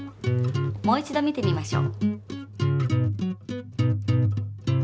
もう一度見てみましょう。